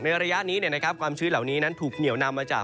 ระยะนี้ความชื้นเหล่านี้นั้นถูกเหนียวนำมาจาก